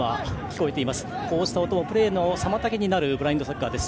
こうした音はプレーの妨げになるブラインドサッカーです。